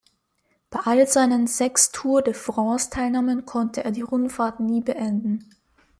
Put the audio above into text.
Bei allen seinen sechs Tour de France-Teilnahmen konnte er die Rundfahrt nie beenden.